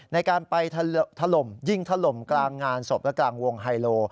ในการไปถล่มยิงถล่มกลางงานศพและกลางวงไฮโล